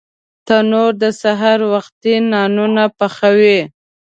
تنور د سهار وختي نانونه پخوي